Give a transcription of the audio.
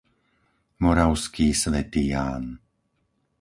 Moravský Svätý Ján